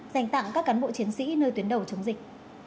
dành tặng các cán bộ chiến sĩ nơi tuyến đầu chống dịch